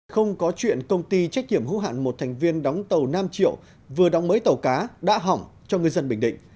không có chuyện công ty trách nhiệm hữu hạn một thành viên đóng tàu nam triệu vừa đóng mới tàu cá đã hỏng cho ngư dân bình định